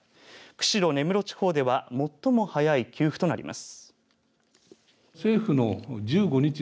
釧路・根室地方では最も早い給付となります。